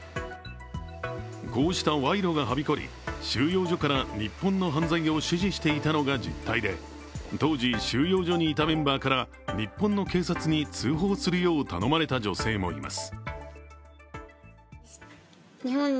こうした賄賂がはびこり、収容所から日本の犯罪を指示していたのが実態で当時、収容所にいたメンバーから日本の警察に通報するよう頼まれた女性もいます。